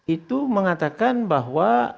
itu mengatakan bahwa